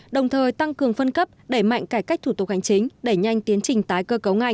đồng thời tăng cường phân cấp đẩy mạnh cải cách thủ tục hành chính đẩy nhanh tiến trình tái cơ cấu ngành